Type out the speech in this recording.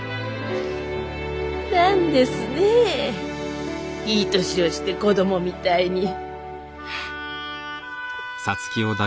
なんですねいい年をして子供みたいに。